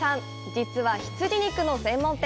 実は、羊肉の専門店！